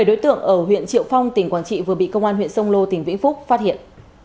bảy đối tượng ở huyện triệu phong tỉnh quảng trị vừa bị công an huyện sông lô tỉnh vĩnh phúc phát hiện